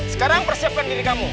sekarang persiapkan diri kamu